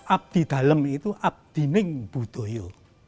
abdi dalam itu abdining budoyo